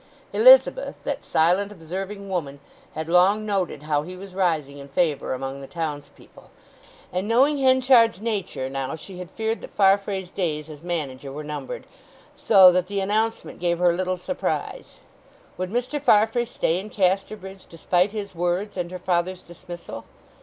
Elizabeth, that silent observing woman, had long noted how he was rising in favour among the townspeople; and knowing Henchard's nature now she had feared that Farfrae's days as manager were numbered, so that the announcement gave her little surprise. Would Mr. Farfrae stay in Casterbridge despite his words and her father's dismissal?